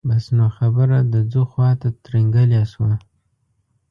بس نو خبره د ځو خواته ترینګلې شوه.